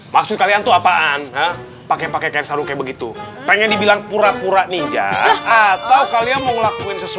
maksud kalian tuh apaan pakai pakai kayak begitu pengen dibilang pura pura ninja atau kalian mau ngelakuin hal ini